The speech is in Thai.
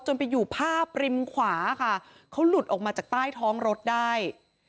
ไปอยู่ภาพริมขวาค่ะเขาหลุดออกมาจากใต้ท้องรถได้